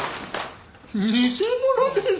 偽物ですよ。